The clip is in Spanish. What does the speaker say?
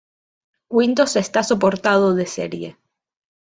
Windows está soportado de serie.